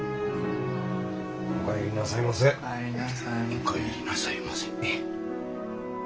お帰りなさいませ。